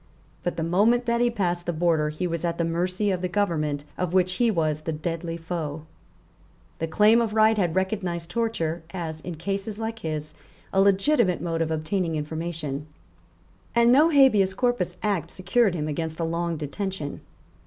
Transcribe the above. But the moment that he passed the border he was at the mercy of the government of which he was the deadly foe. The Claim of Right had recognised torture as, in cases like his, a legitimate mode of obtaining information; and no Habeas Corpus Act secured him against a long detention.